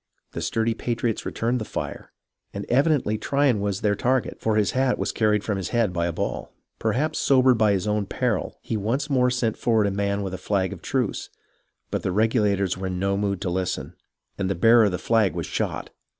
The sturdy patriots returned the fire, and evidently Tryon was their target, for his hat was carried from his head by a ball. Perhaps sobered by his own peril, he once more sent forward a man with a flag of truce, but the Regulators THE FIRST BLOODSHED 33 were in no mood to listen, and the bearer of the flag was shot.